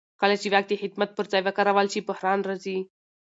کله چې واک د خدمت پر ځای وکارول شي بحران راځي